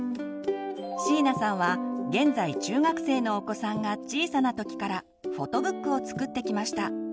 椎名さんは現在中学生のお子さんが小さな時からフォトブックを作ってきました。